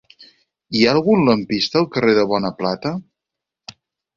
Hi ha algun lampista al carrer de Bonaplata?